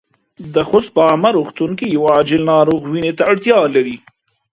د خوست په عامه روغتون کې يو عاجل ناروغ وينې ته اړتیا لري.